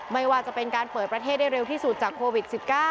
ไม่ว่าจะเป็นการเปิดประเทศได้เร็วที่สุดจากโควิด๑๙